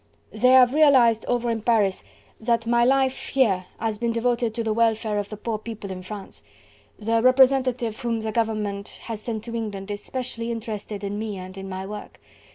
"They have realised over in Paris that my life here has been devoted to the welfare of the poor people of France. The representative whom the government has sent to England is specially interested in me and in my work.